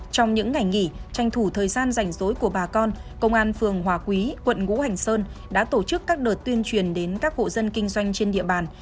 trong những ngày nghỉ tranh thủ thời gian rảnh rối của bà con công an phường hòa quý quận ngũ hành sơn đã tổ chức các đợt tuyên truyền đến các hộ dân kinh doanh trên địa bàn